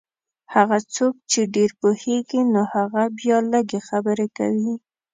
هغه څوک چې ډېر پوهېږي نو هغه بیا لږې خبرې کوي.